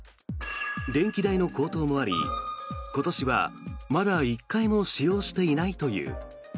電気代の高騰もあり今年は、まだ１回も使用していないという。